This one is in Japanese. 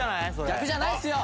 逆じゃないっすよ！